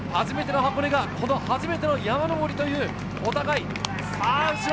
初めての箱根が初めての山上りというお互い。